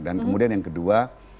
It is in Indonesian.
dan kemudian yang kedua